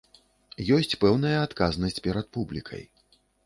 Ёсць пэўная адказнасць перад публікай.